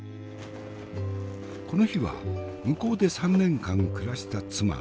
この日は向こうで３年間暮らした妻彩さんも合流。